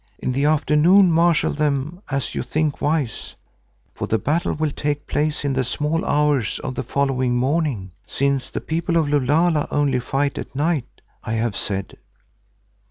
In the afternoon marshall them as you think wise, for the battle will take place in the small hours of the following morning, since the People of Lulala only fight at night. I have said."